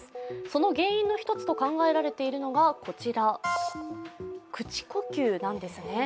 その原因の一つと考えられているのがこちら、口呼吸なんですね。